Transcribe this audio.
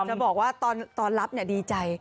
จะบอกว่าตอนรับดีใจ